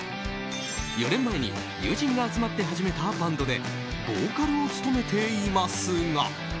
４年前に友人が集まって始めたバンドでボーカルを務めていますが。